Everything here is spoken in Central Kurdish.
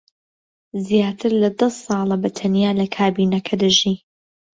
زیاتر لە دە ساڵە بەتەنیا لە کابینەکە دەژی.